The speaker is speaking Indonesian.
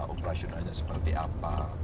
operasionalnya seperti apa